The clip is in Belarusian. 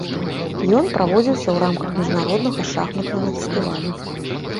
Ён праводзіўся ў рамках міжнароднага шахматнага фестывалю.